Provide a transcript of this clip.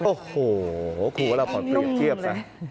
โอ้โหคุณว่าเราพอเปลี่ยนเทียบค่ะ